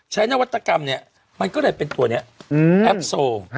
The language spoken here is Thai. ใช้นวัตกรรมเนี่ยมันก็ได้เป็นตัวเนี่ยแอปโซ